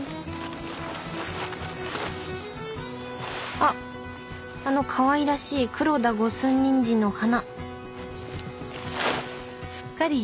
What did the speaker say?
あっあのかわいらしい黒田五寸ニンジンの花。